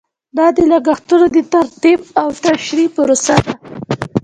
دا د لګښتونو د ترتیب او تشریح پروسه ده.